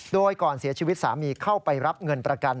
โดยก่อนเสียชีวิตสามีเข้าไปรับเงินประกัน